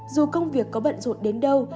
dù công việc có bận rộn đến đâu